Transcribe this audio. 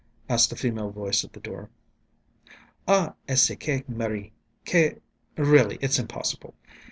"_ asked a female voice at the door. "Ah, est ce que, Marie ... que. .. Really, it's impossible